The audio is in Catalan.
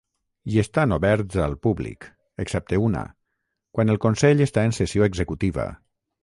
I estan oberts al públic, excepte una, quan el Consell està en sessió executiva.